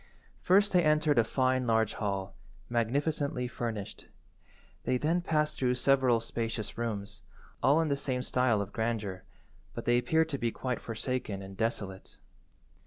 First they entered a fine large hall, magnificently furnished. They then passed through several spacious rooms, all in the same style of grandeur, but they appeared to be quite forsaken and desolate.